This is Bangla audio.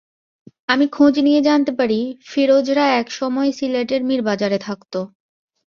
আমি খোঁজ নিয়ে জানতে পারি ফিরোজরা একসময় সিলেটের মীরবাজারে থাকত।